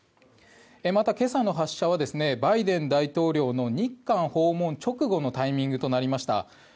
また今朝の発射はバイデン大統領の日韓訪問直後のタイミングとなりました。